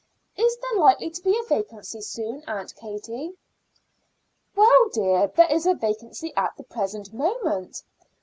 Is there likely to be a vacancy soon, Aunt Katie?" "Well, dear, there is a vacancy at the present moment.